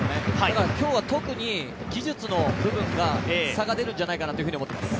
だから今日は特に技術の部分が差が出るんじゃないかと思ってます。